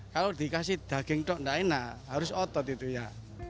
kalau dikasih daging dok tidak enak harus otot itu ya